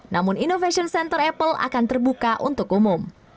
namun innovation center apple akan terbuka untuk umum